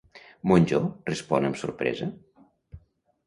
Monjó respon amb sorpresa?